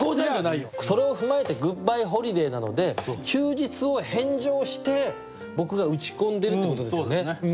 それを踏まえて「グッバイホリデー」なので休日を返上して僕が打ち込んでるってことですよね。